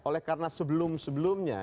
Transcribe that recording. oleh karena sebelum sebelumnya